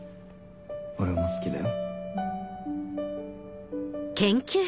俺も好きだよ。